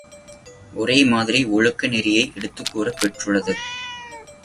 ஒரே மாதிரி ஒழுக்க நெறியை எடுத்துக் கூறப் பெற்றுள்ளது.